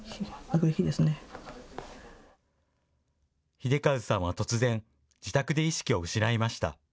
秀和さんは突然、自宅で意識を失いました。